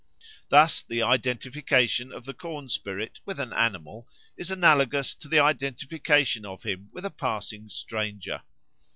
Thus the identification of the corn spirit with an animal is analogous to the identification of him with a passing stranger.